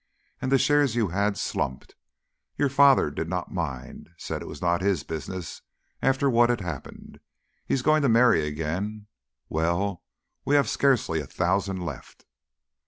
And the shares you had, slumped. Your father did not mind. Said it was not his business, after what had happened. He's going to marry again.... Well we have scarcely a thousand left!"